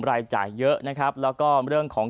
รายจ่ายเยอะนะครับแล้วก็เรื่องของ